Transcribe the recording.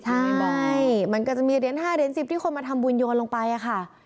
ใช่บอกมันก็จะมีเหรียญ๕เหรียญ๑๐ที่คนมาทำบุญโยนลงไปอะค่ะ